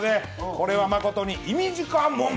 これは誠に、いみじかもん。